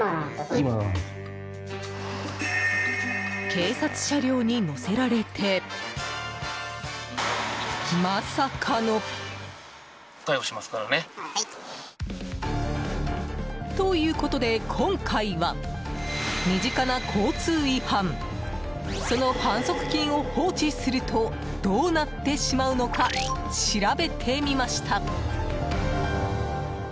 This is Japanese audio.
警察車両に乗せられてまさかの。ということで、今回は身近な交通違反その反則金を放置するとどうなってしまうのか調べてみました。